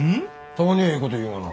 たまにはええこと言うがな。